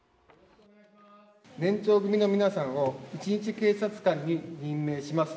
年長組の皆さんを一日警察官に任命します。